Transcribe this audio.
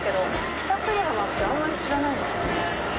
北久里浜ってあんまり知らないですよね。